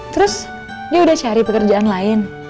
terus dia udah cari pekerjaan lain